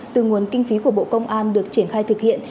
từ nguồn kinh phí của bộ công an được triển khai thực hiện